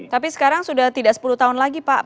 tapi sekarang sudah tidak sepuluh tahun lagi pak